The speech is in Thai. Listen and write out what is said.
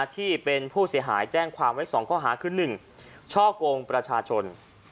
ที่เป็นผู้เสียหายแจ้งความไว้๒ข้อหาคือ๑ช่อกงประชาชน